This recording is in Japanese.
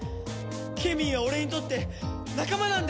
ケミーは俺にとって仲間なんで！